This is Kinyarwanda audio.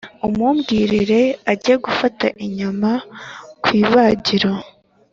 Umumbwirire ajye gufata inyama kwibagiro